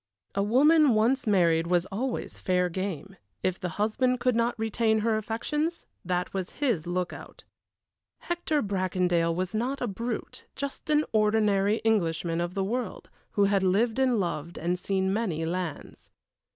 A woman once married was always fair game; if the husband could not retain her affections that was his lookout. Hector Bracondale was not a brute, just an ordinary Englishman of the world, who had lived and loved and seen many lands.